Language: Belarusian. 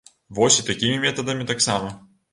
Вось і такімі метадамі таксама.